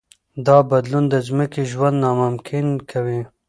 دا بدلون د ځمکې ژوند ناممکن کوي.